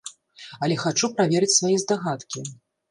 Але хачу праверыць свае здагадкі.